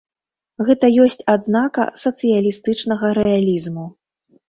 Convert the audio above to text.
Гэта ёсць адзнака сацыялістычнага рэалізму.